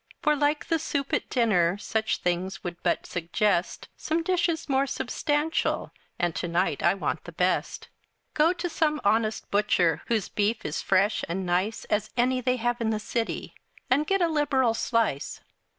For, like the soup at dinner, Such things would but suggest Some dishes more substantial, And to night I want the best. Go to some honest butcher, Whose beef is fresh and nice, As any they have in the city, And get a liberal slice.